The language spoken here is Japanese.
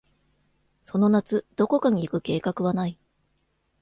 その夏、どこかに行く計画はない。